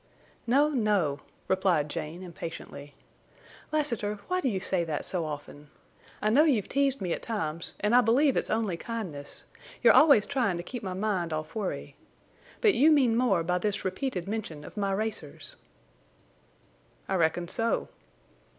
"No, no," replied Jane, impatiently. "Lassiter, why do you say that so often? I know you've teased me at times, and I believe it's only kindness. You're always trying to keep my mind off worry. But you mean more by this repeated mention of my racers?" "I reckon so."